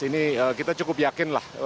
ini kita cukup yakin lah